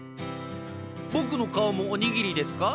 ボクの顔もおにぎりですか？